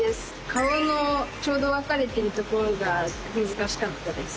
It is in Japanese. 顔のちょうど分かれてるところが難しかったです。